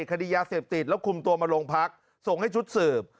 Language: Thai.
คดียาเสพติดแล้วคุมตัวมาโรงพักส่งให้ชุดสืบ